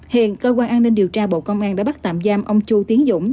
hiện cơ quan an ninh điều tra bộ công an đã bắt tạm giam ông chu tiến dũng